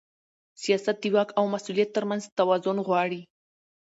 سیاست د واک او مسؤلیت ترمنځ توازن غواړي